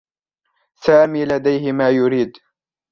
سامي لديه ما يريد.